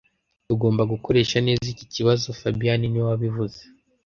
Tugomba gukoresha neza iki kibazo fabien niwe wabivuze